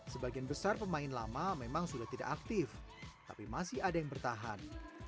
sebagian besar pemain lama memang sudah tidak aktif tapi masih ada yang bertahan